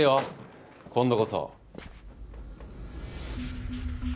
今度こそ。